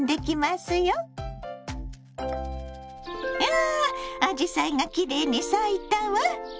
わあアジサイがきれいに咲いたわ。